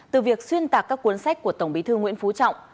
từ việc xuyên tạc các cuốn sách của tổng bí thư nguyễn phú trọng